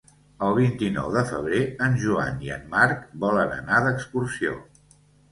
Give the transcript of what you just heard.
El vint-i-nou de febrer en Joan i en Marc volen anar d'excursió.